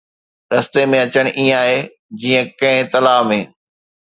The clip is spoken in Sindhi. رستي ۾ اچڻ ائين آهي جيئن ڪنهن تلاءَ ۾